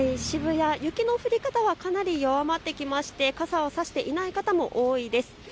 渋谷、雪の降り方はかなり弱まってきまして傘を差していない方も多いです。